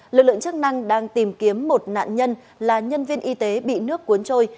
lực lượng chức năng đang tìm kiếm một nạn nhân là nhân viên y tế bị nước cuốn trôi